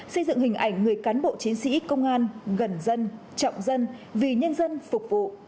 xây dựng hình ảnh người cán bộ chiến sĩ công an gần dân trọng dân vì nhân dân phục vụ